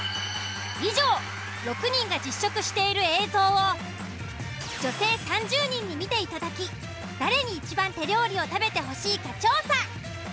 以上６人が実食している映像を女性３０人に見ていただき誰に一番手料理を食べて欲しいか調査。